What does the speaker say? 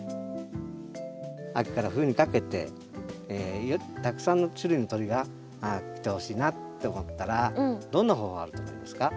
秋から冬にかけてたくさんの種類の鳥が来てほしいなって思ったらどんな方法あると思いますか？